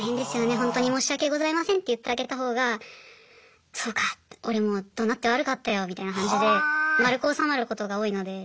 ほんとに申し訳ございませんって言ってあげたほうが「そうか俺もどなって悪かったよ」みたいな感じで丸く収まることが多いので。